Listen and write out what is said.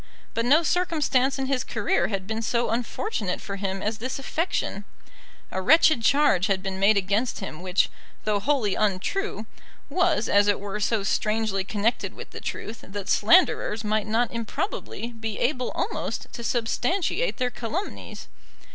But no circumstance in his career had been so unfortunate for him as this affection. A wretched charge had been made against him which, though wholly untrue, was as it were so strangely connected with the truth, that slanderers might not improbably be able almost to substantiate their calumnies.